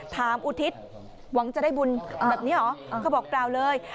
อุทิศหวังจะได้บุญแบบนี้เหรอเขาบอกเปล่าเลย